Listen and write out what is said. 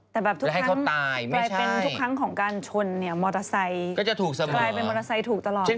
แต่แบบทุกคันการชนโมเตอร์ไซส์กลายเป็นโมเตอร์ไซส์ถูกตลอด